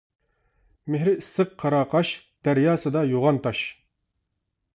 مېھرى ئىسسىق قاراقاش، دەرياسىدا يوغان تاش.